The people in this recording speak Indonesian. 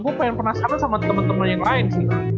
gue pengen penasaran sama temen temen yang lain sih